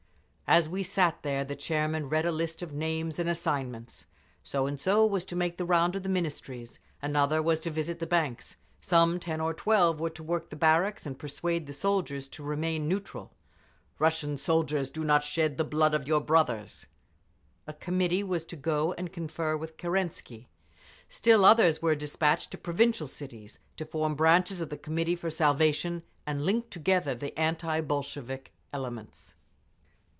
As we sat there the chairman read a list of names and assignments; so and so was to make the round of the Ministries; another was to visit the banks; some ten or twelve were to work the barracks and persuade the soldiers to remain neutral—"Russian soldiers, do not shed the blood of your brothers!"; a committee was to go and confer with Kerensky; still others were despatched to provincial cities, to form branches of the Committee for Salvation, and link together the anti Bolshevik elements.